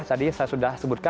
tadi saya sudah sebutkan